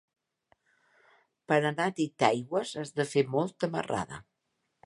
Per anar a Titaigües has de fer molta marrada.